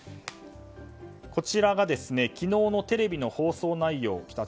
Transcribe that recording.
こちらが、昨日の北朝鮮のテレビの放送内容です。